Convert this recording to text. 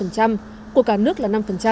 của cả nước là năm